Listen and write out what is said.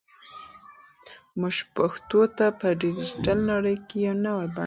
موږ پښتو ته په ډیجیټل نړۍ کې یو نوی بڼه ورکوو.